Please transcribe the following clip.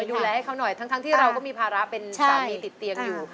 ดูแลให้เขาหน่อยทั้งที่เราก็มีภาระเป็นสามีติดเตียงอยู่